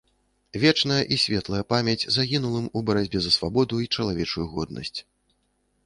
Вечная і светлая памяць загінулым у барацьбе за свабоду й чалавечую годнасць.